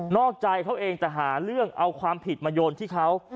อกใจเขาเองแต่หาเรื่องเอาความผิดมาโยนที่เขา